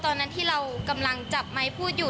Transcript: ตอนนั้นที่เรากำลังจับไม้พูดอยู่